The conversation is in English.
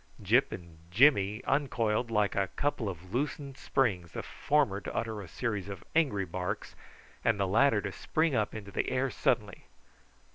Gyp and Jimmy uncoiled like a couple of loosened springs, the former to utter a series of angry barks, and the latter to spring up into the air suddenly.